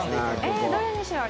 えっどれにしよう。